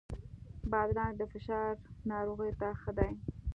بادرنګ د فشار ناروغانو ته ښه دی.